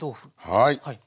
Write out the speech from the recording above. はい。